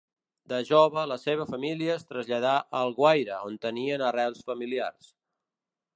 De jove la seva família es traslladà a Alguaire on tenien arrels familiars.